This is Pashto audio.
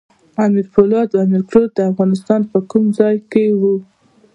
امیر پولاد او امیر کروړ د افغانستان په کوم ځای کې وو؟